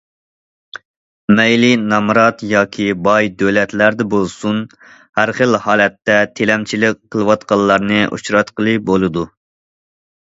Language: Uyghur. مەيلى نامرات ياكى باي دۆلەتلەردە بولسۇن، ھەر خىل ھالەتتە تىلەمچىلىك قىلىۋاتقانلارنى ئۇچراتقىلى بولىدۇ.